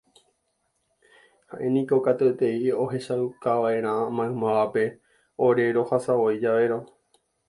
Ha'éniko katuetei ojechaukava'erã maymávape ore rohasavai javérõ